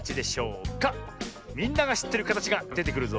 みんながしってるかたちがでてくるぞ。